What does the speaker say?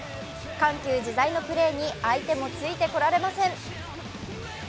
緩急自在のプレーに相手もついてこられません。